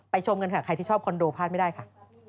ชมกันค่ะใครที่ชอบคอนโดพลาดไม่ได้ค่ะ